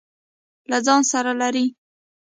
له ځان سره لري.